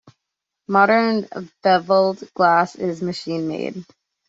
Modern beveled glass is machine made.